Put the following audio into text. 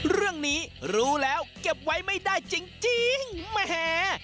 เรื่องนี้รู้แล้วเก็บไว้ไม่ได้จริงแหม